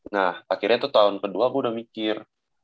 nah akhirnya tuh tahun kedua gue udah mikir